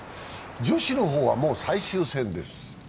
女子の方はもう最終戦です。